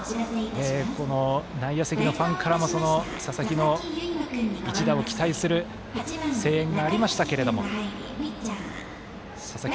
内野席のファンからも佐々木の一打を期待する声援がありましたが佐々木、